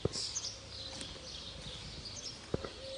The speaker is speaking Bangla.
ফলে নির্বাচনের মাধ্যমে চলমান সংকট সমাধানের কোনো সম্ভাবনা দেখা যাচ্ছে না।